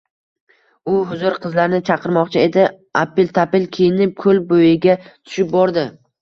u hur qizlarni chaqirmoqchi edi! Аpil-tapil kiyinib, koʼl boʼyiga tushib bordi.